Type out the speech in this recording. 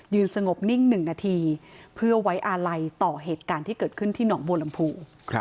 สงบนิ่ง๑นาทีเพื่อไว้อาลัยต่อเหตุการณ์ที่เกิดขึ้นที่หนองบัวลำพู